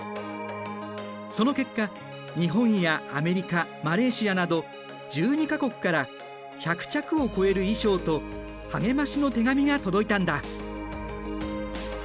その結果日本やアメリカマレーシアなど１２か国から１００着を超える衣装と励ましの手紙が届いたんだ。